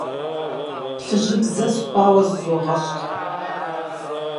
Плъыжьыбзэ сыхъуауэ зызогъэщхъ.